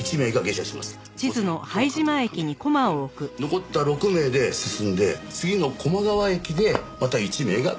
残った６名で進んで次の高麗川駅でまた１名が下車します。